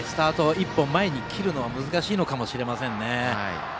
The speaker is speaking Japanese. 一歩前に切るのは難しいのかもしれませんね。